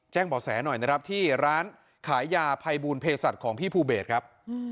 บอกแสหน่อยนะครับที่ร้านขายยาภัยบูลเพศัตริย์ของพี่ภูเบสครับ